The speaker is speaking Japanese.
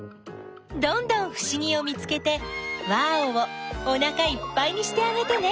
どんどんふしぎを見つけてワーオ！をおなかいっぱいにしてあげてね！